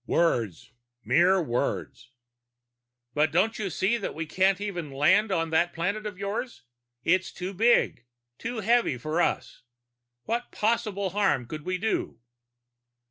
"Words. Mere words." "But don't you see that we can't even land on that planet of yours! It's too big, too heavy for us. What possible harm could we do?"